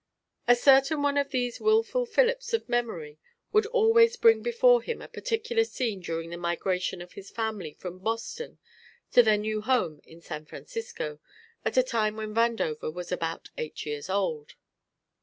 A certain one of these wilful fillips of memory would always bring before him a particular scene during the migration of his family from Boston to their new home in San Francisco, at a time when Vandover was about eight years old.